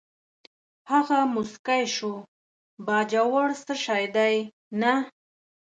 هغه موسکی شو: باجوړ څه شی دی، نه.